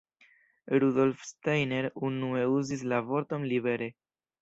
Rudolf Steiner unue uzis la vorton libere.